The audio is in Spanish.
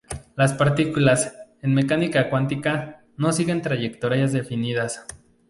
Las partículas, en mecánica cuántica, no siguen trayectorias definidas.